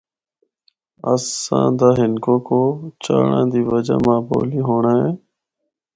اساں دا ہندکو کو چاہڑاں دی وجہ ماں بولی ہونڑا اے۔